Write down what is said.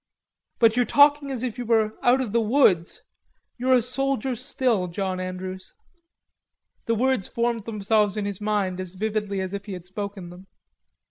"But you're talking as if you were out of the woods; you're a soldier still, John Andrews." The words formed themselves in his mind as vividly as if he had spoken them.